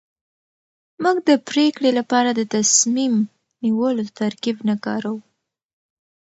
موږ د پرېکړې لپاره د تصميم نيولو ترکيب نه کاروو.